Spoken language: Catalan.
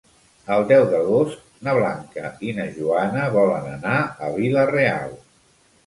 El deu d'agost na Blanca i na Joana volen anar a Vila-real.